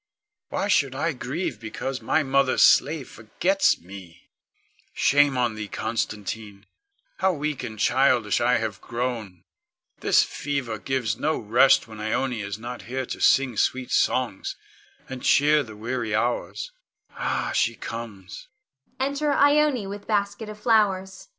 Why should I grieve because my mother's slave forgets me? Shame on thee, Constantine! How weak and childish have I grown! This fever gives no rest when Ione is not here to sing sweet songs, and cheer the weary hours. Ah, she comes! [Enter Ione _with basket of flowers.